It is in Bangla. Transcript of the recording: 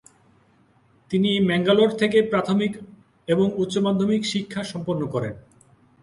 তিনি ম্যাঙ্গালোর থেকে প্রাথমিক এবং উচ্চমাধ্যমিক শিক্ষা সম্পন্ন করেন।